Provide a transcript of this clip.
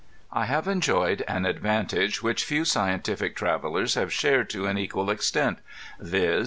I have enjoyed an advantage which few scientific travelers have shared to an equal extent, viz.